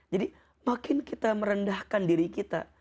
jadi makin kita merendahkan diri kita